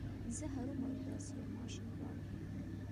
زه هرو مرو داسې يو ماشين غواړم.